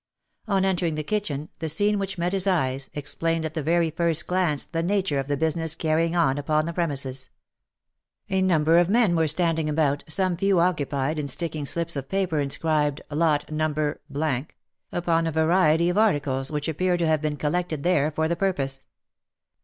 On entering the kitchen, the scene which met his eyes, explained at the very first glance the nature of the business carrying on upon the premises. A number of men were standing about, some few occupied in sticking slips of paper inscribed " Lot No. —," upon a variety of articles which appeared to have been collected there for the purpose.